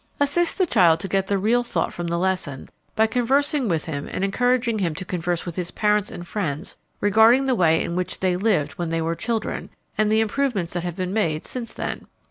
Assist the child to get the real thought from the lesson by conversing with him and encouraging him to converse with his parents and friends regarding the way in which they lived when they were children, and the improvements that have been made since then.